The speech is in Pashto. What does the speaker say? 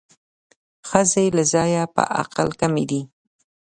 ښځې له ځایه په عقل کمې دي